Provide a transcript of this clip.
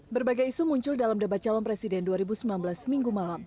berbagai isu muncul dalam debat calon presiden dua ribu sembilan belas minggu malam